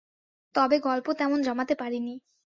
তবে গল্প তেমন জমাতে পারি নি।